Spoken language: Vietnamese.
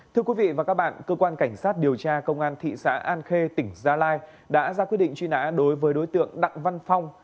thưa quý vị và các bạn cơ quan cảnh sát điều tra công an thị xã an khê tỉnh gia lai đã ra quyết định truy nã đối với đối tượng đặng văn phong